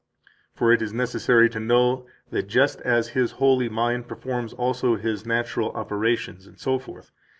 For it is necessary to know that just as His holy mind performs also His natural operations, etc.